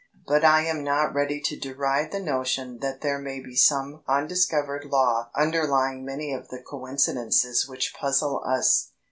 But I am not ready to deride the notion that there may be some undiscovered law underlying many of the coincidences which puzzle us.